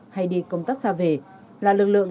hay đi công tác xa về là lực lượng